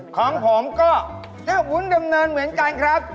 ของผมก็วุ่นแบบเนินเหมือนกันครับ